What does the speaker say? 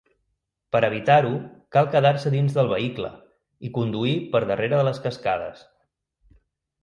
Per evitar-ho, cal quedar-se dins del vehicle i conduir per darrere de les cascades.